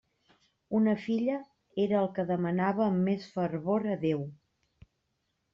Una filla era el que demanava amb més fervor a Déu.